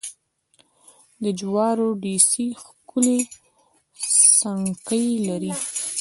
د جوارو ډېسې ښکلې څڼکې لري.